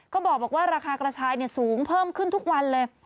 ก็บอกว่าราคากระชายสูงเพิ่มขึ้นทุกวันเลย